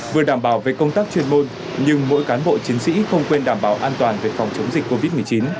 vừa đảm bảo về công tác chuyên môn nhưng mỗi cán bộ chiến sĩ không quên đảm bảo an toàn về phòng chống dịch covid một mươi chín